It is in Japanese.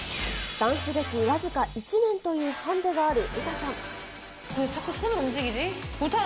ダンス歴僅か１年というハンデがあるウタさん。